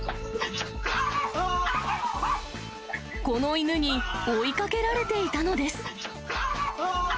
この犬に追いかけられていたのです。